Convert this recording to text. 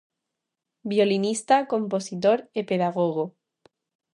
Violinista, compositor e pedagogo.